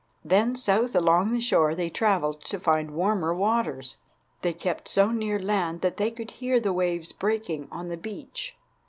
Then south along the shore they travelled to find warmer waters. They kept so near land that they could hear the waves breaking on the beach.